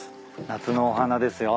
夏のお花ですよ。